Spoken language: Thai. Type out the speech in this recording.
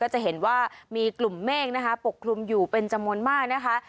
จะเห็นว่ามีกลุ่มเมฆนะคะปกคลุมอยู่เป็นจำนวนมากนะคะ